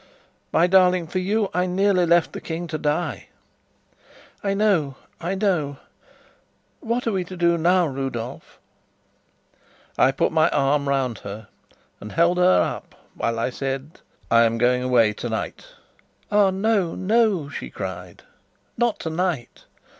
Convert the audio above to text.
My darling, for you I nearly left the King to die!" "I know, I know! What are we to do now, Rudolf?" I put my arm round her and held her up while I said: "I am going away tonight." "Ah, no, no!" she cried. "Not tonight!"